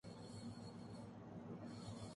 نیپرا کی K Electric کو نرخ کم کرنے کی ہدایت